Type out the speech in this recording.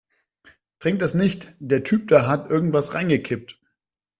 Trink das nicht, der Typ da hat irgendetwas reingekippt.